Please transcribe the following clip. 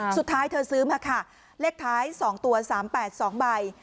เธอซื้อมาค่ะเลขท้าย๒ตัว๓๘๒ใบ